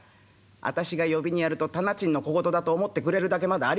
「私が呼びにやると店賃の小言だと思ってくれるだけまだありがたいな。